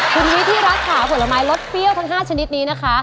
คุณวิธีรัฐค่ะผลไม้รสเปรี้ยวทั้ง๕ชนิดนี้นะคะ